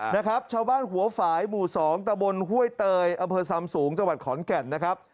นะครับชาวบ้านหัวฝ่ายหมู่สองตะบนห้วยเตยอำเภอซำสูงจังหวัดขอนแก่นนะครับ